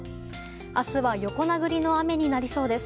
明日は横殴りの雨になりそうです。